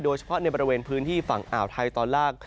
โดยเฉพาะในบริเวณพื้นที่ฝั่งอ่าวไทยตอนล่าง